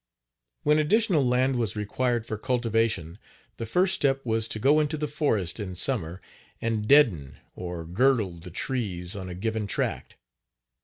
When additional land was required for cultivation the first step was to go into the forest in summer and "deaden" or girdle the trees on a given tract.